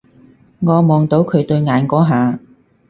我望到佢對眼嗰下